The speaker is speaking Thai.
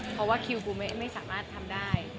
เพราะว่าคิวปูไม่สามารถทำได้